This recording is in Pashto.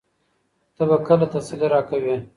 ته به کله تسلي راکوې؟